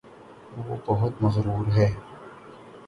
وہ بہت مغرور ہےـ